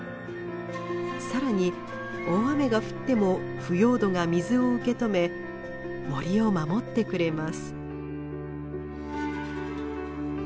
更に大雨が降っても腐葉土が水を受け止め森を守ってくれます。